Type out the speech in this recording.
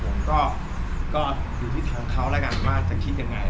ผมก็อยู่ที่ถามเขากันว่าจะคิดยังไงนะครับ